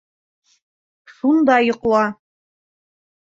Шунда йоҡла.